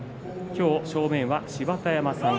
今日、正面は芝田山さん。